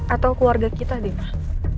atau keluarga kita nih